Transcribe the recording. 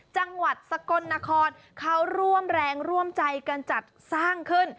จังหวัดสกลนครเขาร่วมแรงร่วมใจกันจัดสร้างขึ้น